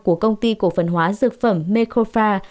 của công ty cổ phần hóa dược phẩm microfar